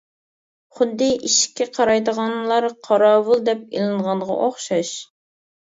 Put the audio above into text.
خۇددى ئىشىككە قارايدىغانلار قاراۋۇل دەپ ئېلىنغانغا ئوخشاش.